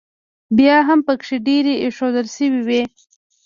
بیا هم پکې ډېرې ایښوول شوې وې.